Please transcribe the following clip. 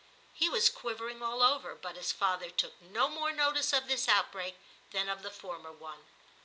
He was quivering all over, but his father took no more notice of this outbreak than of the former one.